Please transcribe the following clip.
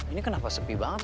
ini kenapa sepi banget